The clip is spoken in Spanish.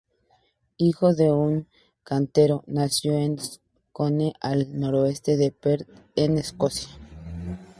Hijo de un cantero, nació en Scone al noroeste de Perth en Escocia.